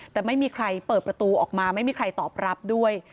แต่ไม่มีใครเปิดประตูออกมาไม่มีใครตอบรับด้วย